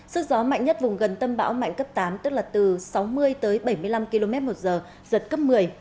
sức gió mạnh nhất vùng gần tâm bão mạnh cấp tám tức là từ sáu mươi tới bảy mươi năm km một giờ giật cấp một mươi